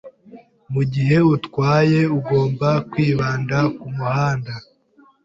Mugihe utwaye, ugomba kwibanda kumuhanda.